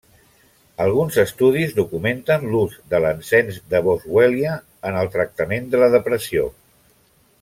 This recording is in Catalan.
Alguns estudis documenten l'ús de l'encens de boswèl·lia en el tractament de la depressió.